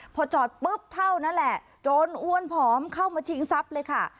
พอจอดปุ๊บเท่านั้นแหละโจรอ้วนผอมเข้ามาชิงทรัพย์เลยค่ะ